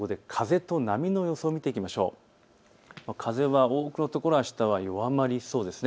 風は多くの所、あしたは弱まりそうです。